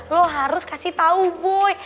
lo harus kasih tahu buy